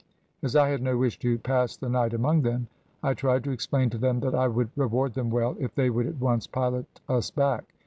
As I had no wish to pass the night among them, I tried to explain to them that I would reward them well, if they would at once pilot us back.